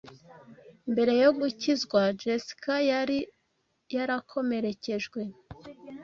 Mbere yo gukizwa Jessica yari yarakomerekejwe